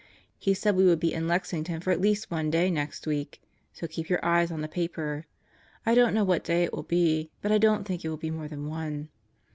He said we would be in Lexington for at least one day next week, so keep your eyes on the paper. I don't know what day it will be, but I don't think it will be more than one.